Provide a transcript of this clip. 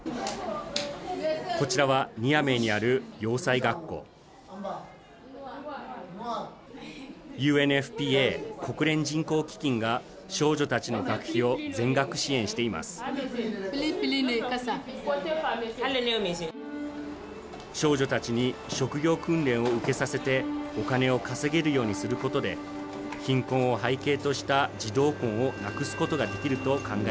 こちらはニアメにある洋裁学校ＵＮＦＰＡ国連人口基金が少女たちの学費を全額支援しています少女たちに職業訓練を受けさせてお金を稼げるようにすることで貧困を背景とした児童婚をなくすことができると考えているからです